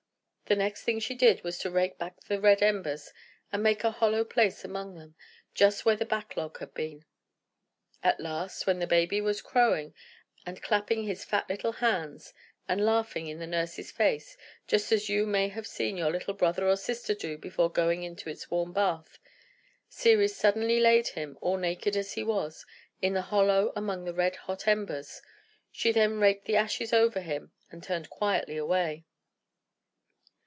The next thing she did was to rake back the red embers, and make a hollow place among them, just where the backlog had been. At last, while the baby was crowing, and clapping its fat little hands, and laughing in the nurse's face (just as you may have seen your little brother or sister do before going into its warm bath), Ceres suddenly laid him, all naked as he was, in the hollow among the red hot embers. She then raked the ashes over him, and turned quietly away.